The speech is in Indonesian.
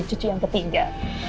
cucu yang ketiga